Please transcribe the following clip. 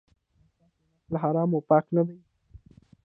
ایا ستاسو نس له حرامو پاک نه دی؟